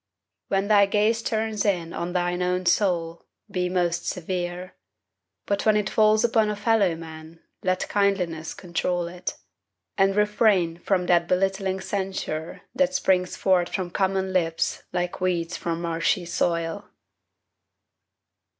When thy gaze Turns in on thine own soul, be most severe. But when it falls upon a fellow man Let kindliness control it; and refrain From that belittling censure that springs forth From common lips like weeds from marshy soil.